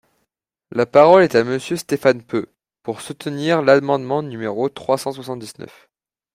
La parole est à Monsieur Stéphane Peu, pour soutenir l’amendement numéro trois cent soixante-dix-neuf.